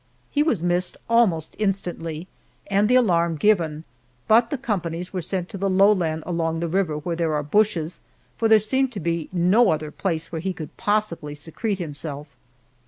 He was missed almost instantly and the alarm given, but the companies were sent to the lowland along the river, where there are bushes, for there seemed to be no other place where he could possibly secrete himself.